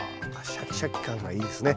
シャキシャキ感がいいですね。